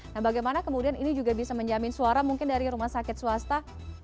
nah bagaimana kemudian ini juga bisa menjamin suara mungkin dari rumah sakit swasta